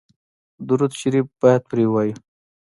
درود شریف باید پرې ووایو.